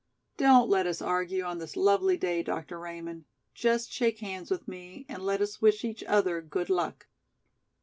"Don't let us argue on this lovely day, Dr. Raymond, just shake hands with me, and let us wish each other good luck."